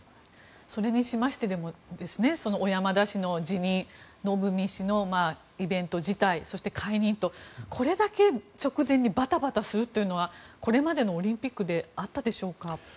それにしても小山田氏の辞任のぶみ氏のイベント辞退そして解任と、これだけ直前にバタバタするのはこれまでのオリンピックであったでしょうか。